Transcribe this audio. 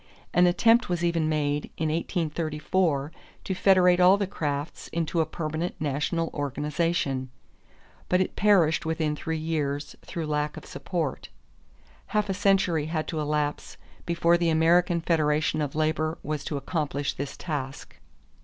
An attempt was even made in 1834 to federate all the crafts into a permanent national organization; but it perished within three years through lack of support. Half a century had to elapse before the American Federation of Labor was to accomplish this task.